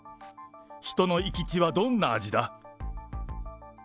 人の生き血はどんな味だ？